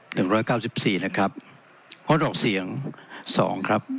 หนึ่งร้อยเก้าสิบสี่นะครับงดออกเสียงสองครับ